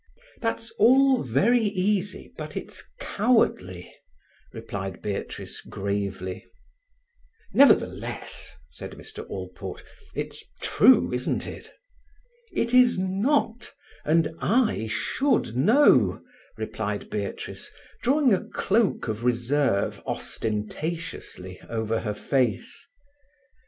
"That's all very easy, but it's cowardly," replied Beatrice gravely. "Nevertheless," said Mr. Allport, "it's true—isn't it?" "It is not—and I should know," replied Beatrice, drawing a cloak of reserve ostentatiously over her face.